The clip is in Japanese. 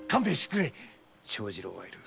長次郎がいる。